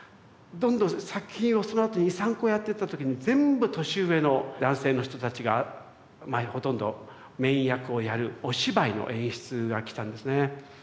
どんどん作品をそのあと２３個やってった時に全部年上の男性の人たちがほとんどメイン役をやるお芝居の演出がきたんですね。